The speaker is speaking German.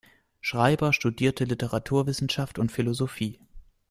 Schreiber studierte Literaturwissenschaft und Philosophie.